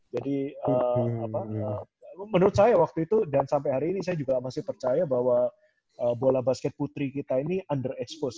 jadi apa menurut saya waktu itu dan sampai hari ini saya juga masih percaya bahwa bola basket putri kita ini underexposed ya